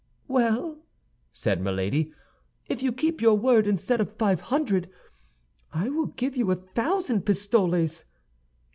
"Well," said Milady, "if you keep your word, instead of five hundred, I will give you a thousand pistoles."